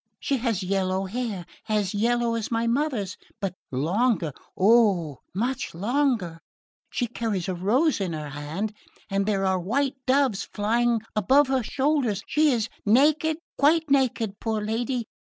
she has yellow hair, as yellow as my mother's...but longer...oh, much longer...she carries a rose in her hand...and there are white doves flying about her shoulders...she is naked, quite naked, poor lady!